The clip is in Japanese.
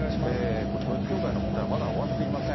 これ、統一教会の問題はまだ終わっていません。